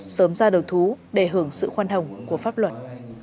sớm ra đầu thú để hưởng sự khoan hồng của pháp luật